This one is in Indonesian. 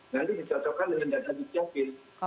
nanti disocokkan dengan data bicapil